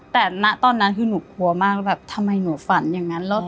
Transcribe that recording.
แต่ณตอนนั้นคือหนูกลัวมากว่าแบบทำไมหนูฝันอย่างนั้นแล้ว